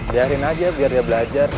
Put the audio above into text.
biarin aja biar dia belajar